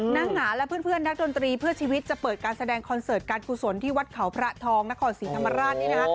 นางหงาและเพื่อนนักดนตรีเพื่อชีวิตจะเปิดการแสดงคอนเสิร์ตการกุศลที่วัดเขาพระทองนครศรีธรรมราชนี่นะคะ